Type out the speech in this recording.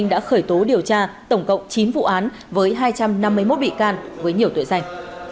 đã khởi tố điều tra tổng cộng chín vụ án với hai trăm năm mươi một bị can với nhiều tội danh